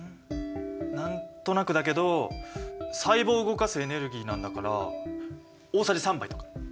何となくだけど細胞を動かすエネルギーなんだから大さじ３杯とか？